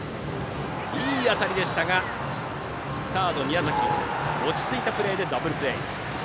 いい当たりでしたがサード、宮崎の落ち着いたプレーでダブルプレー。